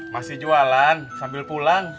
masih jualan sambil pulang